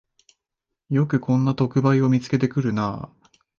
よくこんな特売を見つけてくるなあ